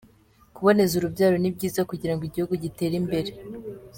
kuboneza urubyaro nibyiza kugirango igihugu gitere imbere